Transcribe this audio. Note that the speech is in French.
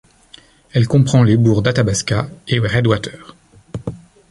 Elle comprend les bourgs d'Athabasca et Redwater.